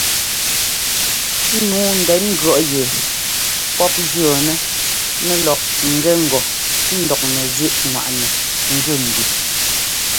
Nǔu ndɛn ŋgʉ̈ɔ́ yɛ pɔ́p jʉɔ́nɛ nɛlɔk ŋ́gɛ ŋgɔ ńdɔk nɛzíꞌŋwaꞌnɛ gʉ mbi.